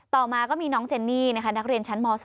ต่อมาก็มีน้องเจนนี่นะคะนักเรียนชั้นม๒